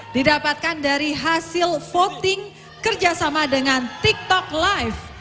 didapatkan dari hasil voting kerjasama dengan tiktok live